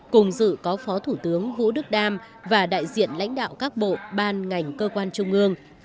cùng dự có phó thủ tướng vũ đức đam và đại diện lãnh đạo các bộ ban ngành cơ quan trung ương